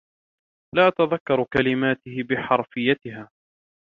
لا أتذكر كلماته بحَرفيّتها.